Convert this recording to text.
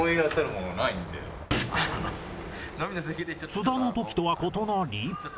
津田の時とは異なり